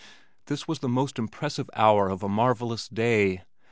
This was the most impressive hour of a marvellous day.